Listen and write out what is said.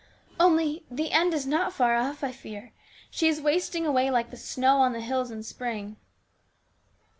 " Only the end is not far off, I fear. She is wasting away like the snow on the hills in spring."